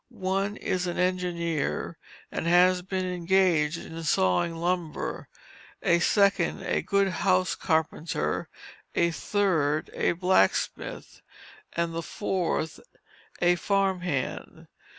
One is an engineer, and has been engaged in sawing lumber, a second, a good house carpenter, a third a blacksmith, and the fourth a farm hand.